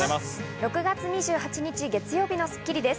６月２８日、月曜日の『スッキリ』です。